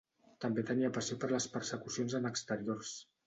També tenia passió per les persecucions en exteriors.